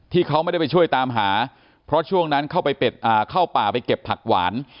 ที่เขาไม่ได้ไปช่วยตามหาเพราะช่วงนั้นเข้าไปเข้าป่าไปเก็บผักหวาน